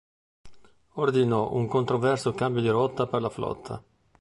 Ordinò un controverso cambio di rotta per la flotta.